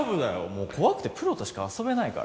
もう怖くてプロとしか遊べないから。